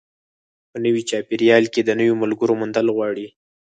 په نوي چاپېریال کې د نویو ملګرو موندل غواړي.